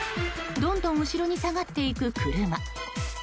どんどん後ろに下がっていく車。